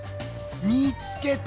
見つけた！